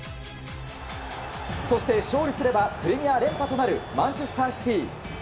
そして、勝利すればプレミア連覇となるマンチェスター・シティ。